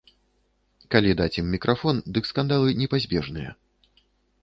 Калі даць ім мікрафон, дык скандалы непазбежныя.